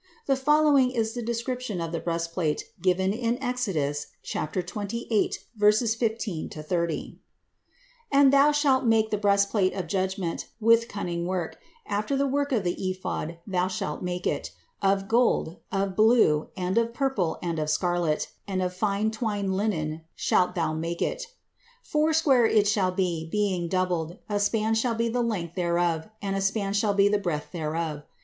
The following is the description of the breastplate given in Exodus (xxviii, 15 30): And thou shalt make the breastplate of judgment with cunning work; after the work of the ephod thou shalt make it; of gold, of blue, and of purple, and of scarlet, and of fine twined linen shalt thou make it. Foursquare it shall be being doubled; a span shall be the length thereof, and a span shall be the breadth thereof.